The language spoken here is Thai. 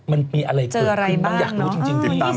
มีอะไรเกิดขึ้นมาอยากรู้จริง